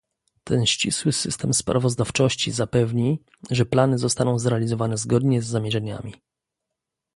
Ten ścisły system sprawozdawczości zapewni, że plany zostaną zrealizowane zgodnie z zamierzeniami